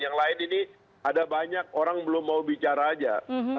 yang lain ini ada banyak orang belum mau bicara aja